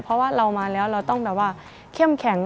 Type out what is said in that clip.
เพราะว่าเรามาแล้วเราต้องแบบว่าเข้มแข็ง